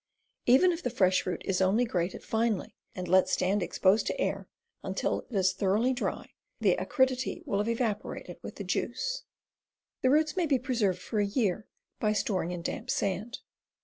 Even if the fresh root is only grated finely and let stand exposed to air until it is thor oughly dry, the acridity will have evaporated with the juice. The roots may be preserved for a year by storing in damp sand.